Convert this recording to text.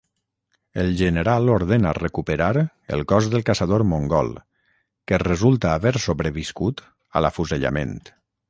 El general ordena recuperar el cos del caçador mongol, que resulta haver sobreviscut a l'afusellament.